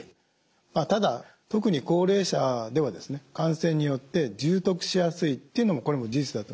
まあただ特に高齢者では感染によって重篤しやすいというのもこれも事実だと思います。